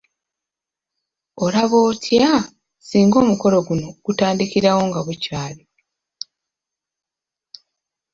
Olaba otya singa omukolo guno gutandikirawo nga bukyali?